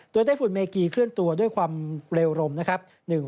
โดยไต้ฝุ่นเมกีเคลื่อนตัวด้วยความเร็วรมนะครับ